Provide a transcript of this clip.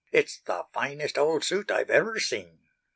"It's the finest old suit I've ever seen."